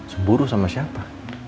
cemburu sama siapa